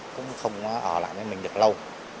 cũng không ở lại với mình được lâu